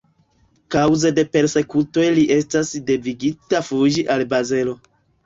Kaŭze de persekutoj li estas devigata fuĝi al Bazelo.